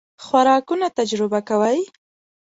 خوراکونه تجربه کوئ؟